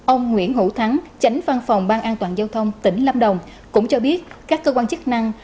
ông nguyễn hữu thắng tránh văn phòng ban an toàn giao thông tỉnh lâm đồng cũng cho biết các cơ quan chức năng